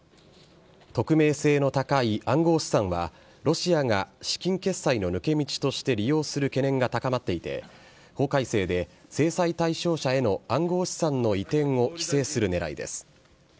匿名性の高い暗号資産は、ロシアが資金決済の抜け道として利用する懸念が高まっていて、法改正で、制裁対象者への暗号資産の移転を規制するねらいです。